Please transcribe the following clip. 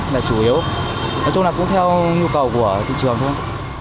là chủ yếu nói chung là cũng theo nhu cầu của thị trường thôi